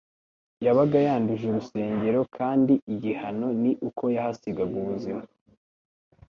yabaga yanduje urusengero, kandi igihano ni uko yahasigaga ubuzima